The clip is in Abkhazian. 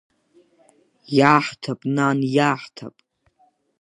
Иаҳҭап, нан, иаҳҭап!